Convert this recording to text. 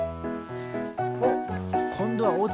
おっこんどはおうちのなか。